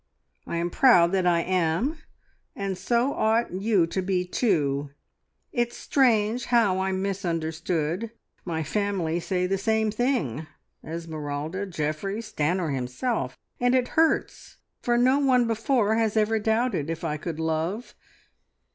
I am proud that I am, and so ought you to be, too. ... It's strange how I'm misunderstood! My family say the same thing Esmeralda, Geoffrey, Stanor himself, and it hurts, for no one before has ever doubted if I could love..."